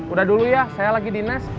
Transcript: udah dulu ya saya lagi di nes